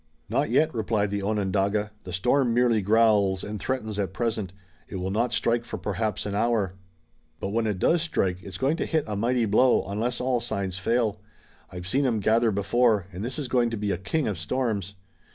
"Not yet," replied the Onondaga. "The storm merely growls and threatens at present. It will not strike for perhaps an hour." "But when it does strike it's going to hit a mighty blow unless all signs fail. I've seen 'em gather before, and this is going to be a king of storms!